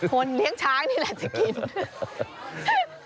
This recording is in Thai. เลี้ยงช้างนี่แหละจะกิน